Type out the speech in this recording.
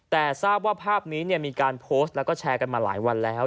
แต่ทราบว่าภาพนี้มีการโพสต์แล้วก็แชร์กันมาหลายวันแล้ว